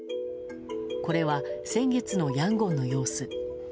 これは先月のヤンゴンの様子。